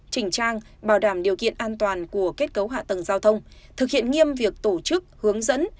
chỉnh trang bảo đảm điều kiện an toàn của kết cấu hạ tầng giao thông thực hiện nghiêm việc tổ chức hướng dẫn